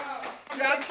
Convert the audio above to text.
やった！